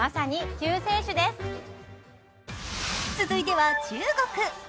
続いては中国。